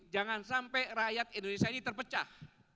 jangan sampai rakyat indonesia ini terpecah